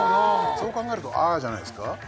そう考えると「あ」じゃないですか？